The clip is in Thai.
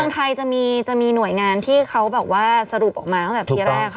ของในเมืองไทยจะมีหน่วยงานที่เขาสรุปออกมาตั้งแต่ทีแรก